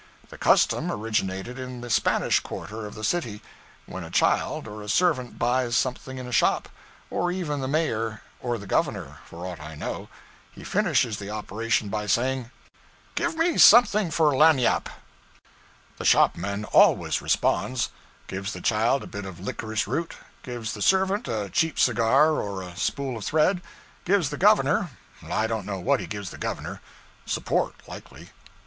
The custom originated in the Spanish quarter of the city. When a child or a servant buys something in a shop or even the mayor or the governor, for aught I know he finishes the operation by saying 'Give me something for lagniappe.' The shopman always responds; gives the child a bit of licorice root, gives the servant a cheap cigar or a spool of thread, gives the governor I don't know what he gives the governor; support, likely.